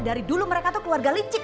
dari dulu mereka itu keluarga licik